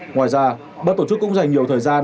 ngoài ra bác tổ chức cũng dành nhiều thời gian